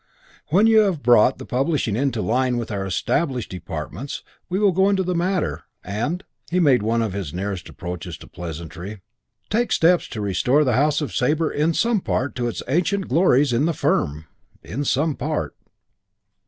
When you have brought the publishing into line with our established departments we will go into the matter and " he made one of his nearest approaches to pleasantry "take steps to restore the house of Sabre in some part to its ancient glories in the firm in some part."